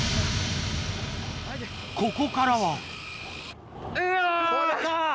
ここからはうお！